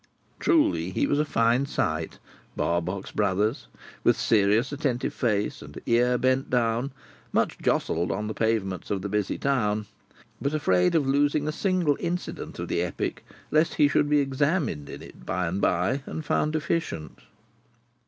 Truly he was a fine sight, Barbox Brothers, with serious attentive face, and ear bent down, much jostled on the pavements of the busy town, but afraid of losing a single incident of the epic, lest he should be examined in it by and by and found deficient.